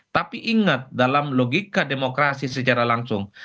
tapi ingat dalam logika demokrasi secara langsung